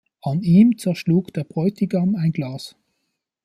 An ihm zerschlug der Bräutigam ein Glas.